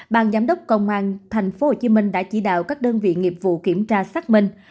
ban giám đốc công an tp hcm đã chỉ đạo các đơn vị nghiệp vụ kiểm tra xác minh